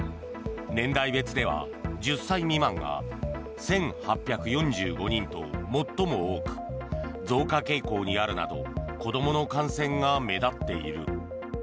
年代別では、１０歳未満が１８４５人と最も多く増加傾向にあるなど子どもの感染が目立っている。